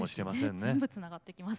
全部つながってきます。